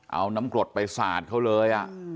เอาน้ำกรดไปสาดเขาเลย